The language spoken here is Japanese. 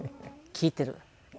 聴いてる。